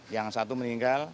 yang satu meninggal